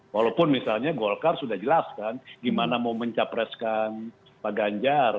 walaupun misalnya golkar sudah jelas kan gimana mau mencapreskan pak ganjar